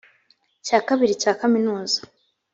cya kabiri cya kaminuza